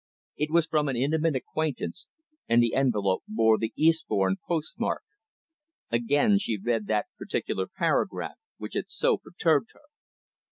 It was from an intimate acquaintance, and the envelope bore the Eastbourne post mark. Again she read that particular paragraph which had so perturbed her.